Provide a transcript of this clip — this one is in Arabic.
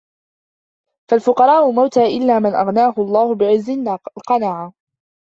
فَالْفُقَرَاءُ مَوْتَى إلَّا مَنْ أَغْنَاهُ اللَّهُ بِعِزِّ الْقَنَاعَةِ